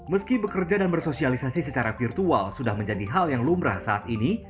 meski bekerja dan bersosialisasi secara virtual sudah menjadi hal yang lumrah saat ini